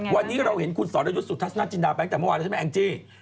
วันนี้เราเห็นคุณสรญุจสุทงศูนย์ธรรมชาติจินดาไปตั้งแต่วันใช่ไหมแอ็งจี